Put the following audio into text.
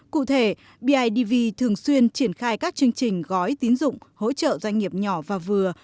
cụ thể bidv thường xuyên triển khai các chương trình gói tín dụng hỗ trợ doanh nghiệp nhỏ và vừa